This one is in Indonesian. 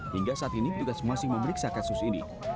hingga saat ini petugas masih memeriksa kasus ini